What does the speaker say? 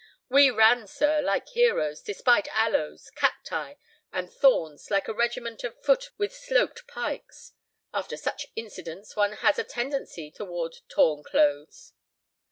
We ran, sir, like heroes, despite aloes, cacti, and thorns like a regiment of foot with sloped pikes. After such incidents one has a tendency toward torn clothes."